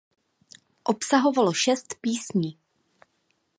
Obsahovalo šest písní.